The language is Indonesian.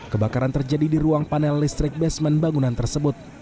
kebakaran terjadi di ruang panel listrik basement bangunan tersebut